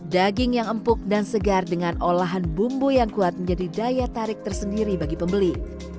daging yang empuk dan segar dengan olahan bumbu yang kuat menjadi daya tarik tersendiri bagi pembeli